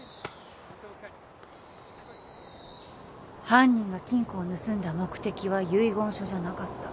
犯人が金庫を盗んだ目的は遺言書じゃなかった。